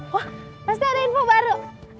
wah pasti ada info baru